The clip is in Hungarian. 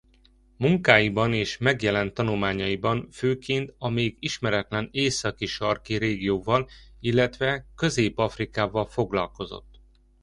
Munkáiban és megjelent tanulmányaiban főként a még ismeretlen északi-sarki régióval illetve Közép-Afrikával foglalkozott.